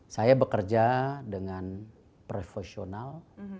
saya bekerja dengan profesional